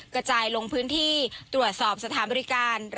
กระจายลงพื้นที่ตรวจสอบสถานบริการ